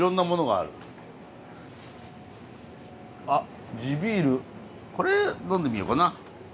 あ地ビールこれ呑んでみようかな。